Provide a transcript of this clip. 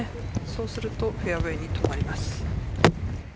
そうするとフェアウェイに止まります。